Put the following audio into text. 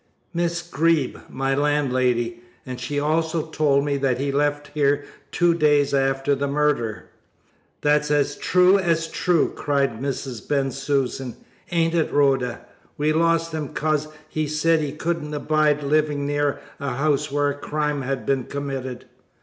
"Miss Greeb, my landlady, and she also told me that he left here two days after the murder." "That's as true as true!" cried Mrs. Bensusan, "ain't it, Rhoda? We lost him 'cause he said he couldn't abide living near a house where a crime had been committed."